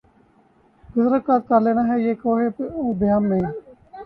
گزر اوقات کر لیتا ہے یہ کوہ و بیاباں میں